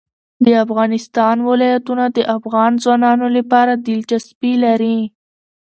د افغانستان ولايتونه د افغان ځوانانو لپاره دلچسپي لري.